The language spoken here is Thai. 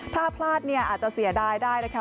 ถ้าพลาดเนี่ยอาจจะเสียดายได้นะคะ